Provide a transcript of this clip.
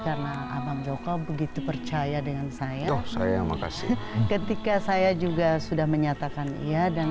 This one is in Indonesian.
karena abang joko begitu percaya dengan saya saya makasih ketika saya juga sudah menyatakan iya dan